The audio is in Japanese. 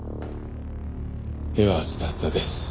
絵はズタズタです。